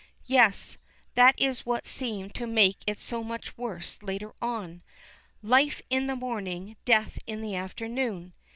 "Yes. That is what seemed to make it so much worse later on. Life in the morning, death in the afternoon!"